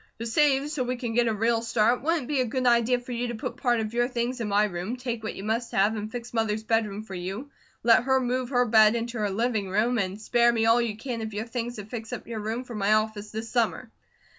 To save so we can get a real start, wouldn't it be a good idea for you to put part of your things in my room, take what you must have, and fix Mother's bedroom for you, let her move her bed into her living room, and spare me all you can of your things to fix up your room for my office this summer.